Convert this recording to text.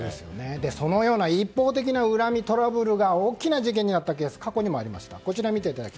そのような一方的な恨みトラブルが大きな事件になったケースが過去にもありました。